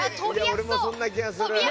俺もそんな気がする。